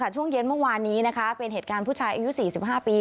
ช่วงเย็นเมื่อวานนี้เป็นเหตุการณ์ผู้ชายอายุ๔๕ปี